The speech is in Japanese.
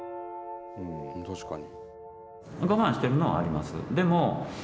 確かに。